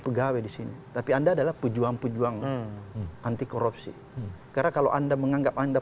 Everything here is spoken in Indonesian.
pegawai di sini tapi anda adalah pejuang pejuang anti korupsi karena kalau anda menganggap anda